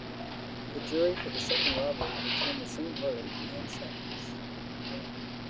The jury for the second robbery returned the same verdict and sentence.